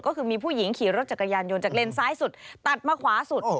ก็คือมีผู้หญิงขี่รถจักรยานยนต์จากเลนซ้ายสุดตัดมาขวาสุด